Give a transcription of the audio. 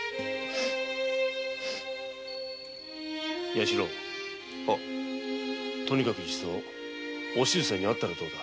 弥四郎とにかく一度お静さんに会ったらどうだ？